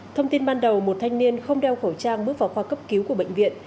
thông tin ban đầu một thanh niên không đeo khẩu trang bước vào khoa cấp cứu của bệnh viện